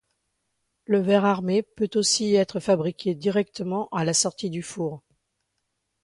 Le verre armé peut aussi être fabriqué directement à la sortie du four.